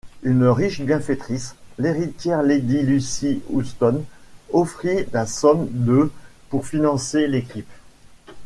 Une riche bienfaitrice, l'héritière Lady Lucie Houston, offrit la somme de pour financer l'équipe.